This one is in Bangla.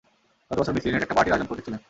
গত বছর মিস লিনেট একটা পার্টির আয়োজন করেছিলেন।